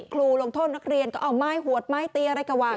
ครูลงโทษนักเรียนก็เอาไม้หวดไม้ตีอะไรก็ว่า